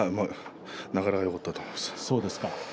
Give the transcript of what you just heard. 流れはよかったと思います。